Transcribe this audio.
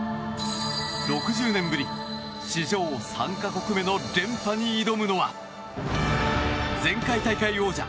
６０年ぶり史上３か国目の連覇に挑むのは前回大会王者